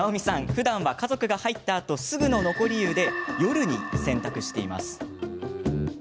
ふだんは家族が入ったあとすぐの残り湯で夜に洗濯しています。